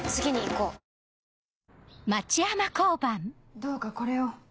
どうかこれを。